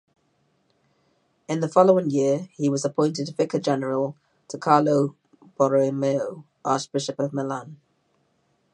In the following year he was appointed vicar-general to Carlo Borromeo, archbishop of Milan.